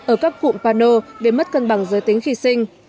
ở các cụm pano về mất cân bằng giới tính khi sinh